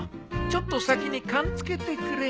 ちょっと先にかんつけてくれ。